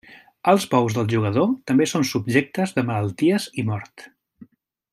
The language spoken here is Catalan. Els bous del jugador també són subjectes de malalties i mort.